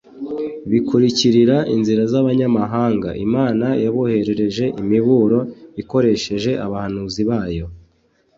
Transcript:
bikurikirira inzira z'abanyamahanga. Imana yaboherereje imiburo ikoresheje abahanuzi bayo